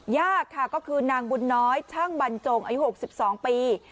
ยากค่ะก็คือนางบุญน้อยช่างบรรจงอายุ๖๒ปี